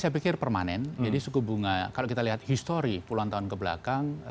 saya pikir permanen jadi suku bunga kalau kita lihat histori puluhan tahun kebelakang